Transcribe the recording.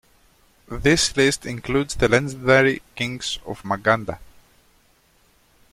This list includes the legendary kings of Magadha.